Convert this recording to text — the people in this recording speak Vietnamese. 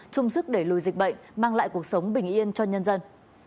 chung sức đẩy lùi dịch bệnh mang lại cuộc sống bình yên cho nhân dân